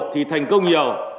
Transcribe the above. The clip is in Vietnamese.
thì thành công nhiều